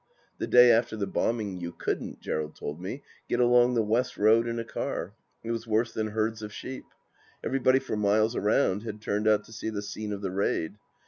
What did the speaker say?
The day after the bombing you couldn't, Gerald told me, get along the West Road in a car; it was worse than herds of sheep. Every body for miles round had turned out to see the scene of the raid.